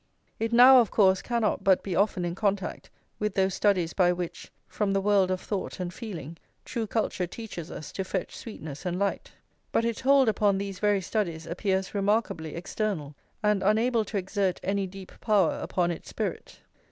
It now, of course, cannot but be often in contact with those studies by which, from the world of thought and feeling, true culture teaches us to fetch sweetness and light; but its hold upon these very studies appears remarkably external, and unable to exert any deep power upon its spirit.